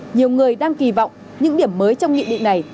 nhiều người đang kỳ vọng những điểm mới trong nghị định này